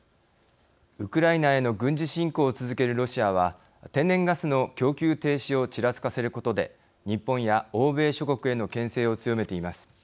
ウクライナへの軍事侵攻を続けるロシアは天然ガスの供給停止をちらつかせることで日本や欧米諸国へのけん制を強めています。